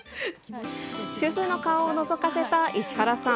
主婦の顔をのぞかせた石原さん。